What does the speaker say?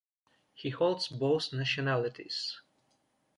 He holds both nationalities.